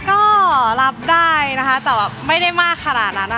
ก็รับได้นะคะแต่แบบไม่ได้มากขนาดนั้นนะคะ